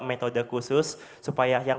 metode khusus supaya yang